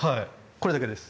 これだけです。